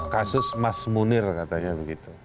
kasus mas munir katanya begitu